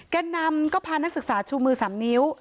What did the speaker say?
แก่นำก็พานักศึกษาชูมือ๓นิ้ว